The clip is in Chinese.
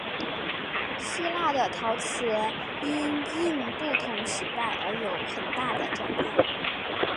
希腊的陶器因应不同时代而有很大的转变。